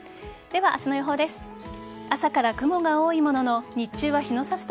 では、明日の予報です。